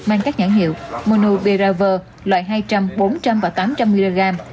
mang các nhãn hiệu monubiravir loại hai trăm linh bốn trăm linh và tám trăm linh mg